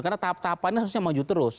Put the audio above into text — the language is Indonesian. karena tahap tahapannya seharusnya maju terus